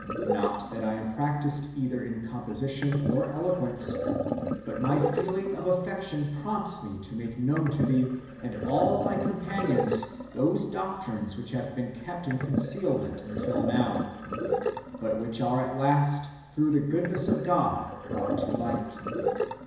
Not that I am practised either in composition or eloquence; but my feeling of affection prompts me to make knov/n to thee and all thy companions those doctrines which have been kept in concealment until now, but which are at last, through the goodness of God, brought to light.